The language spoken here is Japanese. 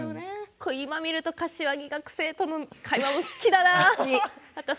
今、見ると柏木学生との会話も好きだな、私。